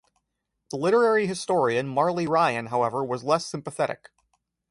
The literary historian Marleigh Ryan, however, was less sympathetic.